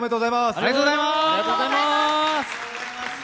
ありがとうございます。